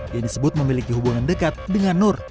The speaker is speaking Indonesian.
yang disebut memiliki hubungan dekat dengan nur